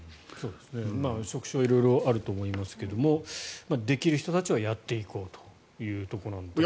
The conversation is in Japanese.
職種は色々あると思いますけどできる人たちはやっていこうというところです。